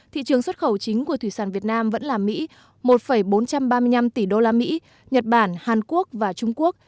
thị trường xuất khẩu chính của thủy sản việt nam vẫn là mỹ một bốn trăm ba mươi năm tỷ usd nhật bản hàn quốc và trung quốc